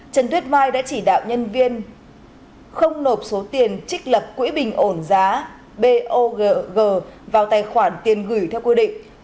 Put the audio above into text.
trần tuyết mai đã chỉ đạo nhân viên không nộp số tiền trích lập quỹ bình ổn giá bogg vào tài khoản tiền gửi theo quy định